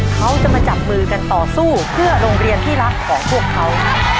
เขาจะมาจับมือกันต่อสู้เพื่อโรงเรียนที่รักของพวกเขา